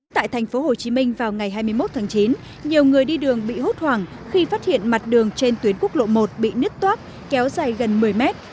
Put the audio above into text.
tại thành phố hồ chí minh vào ngày hai mươi một tháng chín nhiều người đi đường bị hốt hoảng khi phát hiện mặt đường trên tuyến quốc lộ một bị nứt toát kéo dài gần một mươi mét